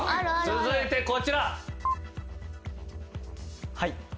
続いてこちら。